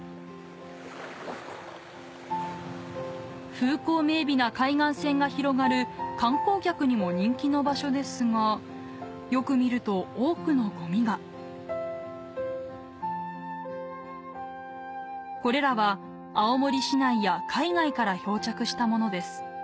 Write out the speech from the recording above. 風光明媚な海岸線が広がる観光客にも人気の場所ですがよく見ると多くのゴミがこれらは青森市内や海外から漂着したものです